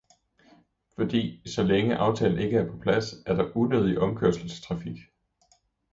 Fordi så længe aftalen ikke er på plads, er der unødvendig omkørselstrafik.